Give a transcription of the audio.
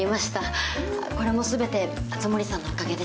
これも全て熱護さんのおかげです。